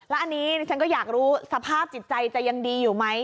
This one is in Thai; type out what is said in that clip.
แล้วอันนี้ฉันก็อยากรู้สภาพจิตใจจะยังดีอยู่ไหม